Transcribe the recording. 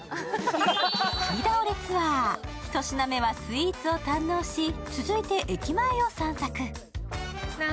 食い倒れツアー、ひと品目はスイーツを堪能し続いて、駅前を散策。